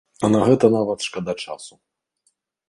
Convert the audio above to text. А на гэта нават шкада часу.